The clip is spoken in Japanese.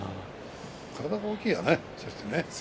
体が大きいよね。